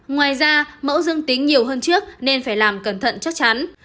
ngoài ra mẫu dương tính nhiều hơn trước nên phải làm cẩn thận chắc chắn